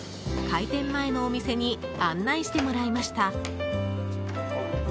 開店前のお店に案内してもらいました。